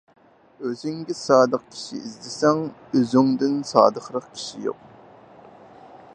ئۆزۈڭگە سادىق كىشى ئىزدىسەڭ ئۆزۈڭدىن سادىقراق كىشى يوق.